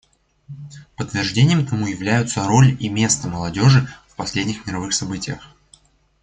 Подтверждением тому являются роль и место молодежи в последних мировых событиях.